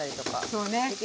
そうね。